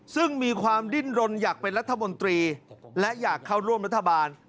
ซึ่งมีความดิ้นรนอยากเป็นรัฐมนตรีและอยากเข้าร่วมรัฐบาล